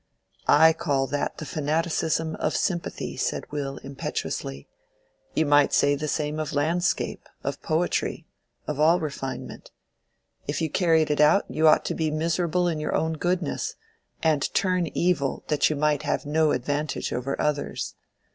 "I call that the fanaticism of sympathy," said Will, impetuously. "You might say the same of landscape, of poetry, of all refinement. If you carried it out you ought to be miserable in your own goodness, and turn evil that you might have no advantage over others.